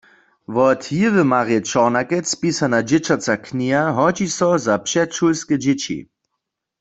Wot Jěwy-Marje Čornakec pisana dźěćaca kniha hodźi so za předšulske dźěći.